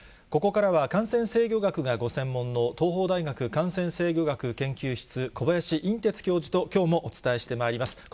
ここからは感染制御学がご専門の東邦大学感染制御学研究室、小林寅てつ教授ときょうもお伝えしてまいります。